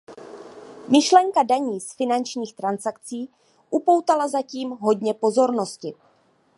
Myšlenka daní z finančních transakcí upoutala zatím hodně pozornosti.